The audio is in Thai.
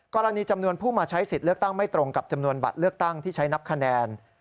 กรณีจำนวนผู้มาใช้สิทธิ์เลือกตั้งไม่ตรงกับจำนวนบัตรเลือกตั้งที่ใช้นับคะแนน